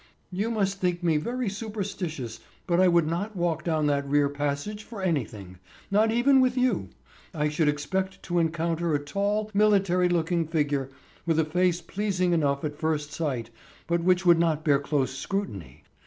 "You must think me very superstitious, but I would not walk down that rear passage for anything; not even with you, I should expect to encounter a tall, military looking figure, with a face pleasing enough at first sight, but which would not bear close scrutiny.